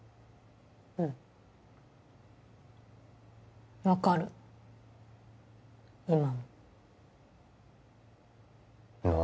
うん、分かる、今も。